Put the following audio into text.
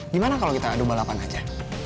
gimana kalau kita adu balapan aja